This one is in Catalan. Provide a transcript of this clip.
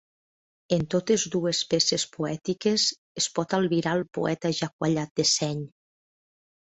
En totes dues peces poètiques es pot albirar el poeta ja quallat de seny.